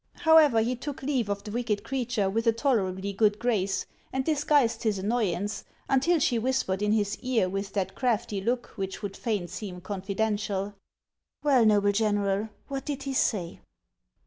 However, he took leave of the wicked creature with a tolerably good grace, and dis guised his annoyance until she whispered in his ear with that crafty look which would fain seem confidential, Well, noble General, what did he say?"